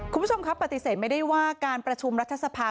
คุณผู้ชมครับปฏิเสธไม่ได้ว่าการประชุมรัฐสภา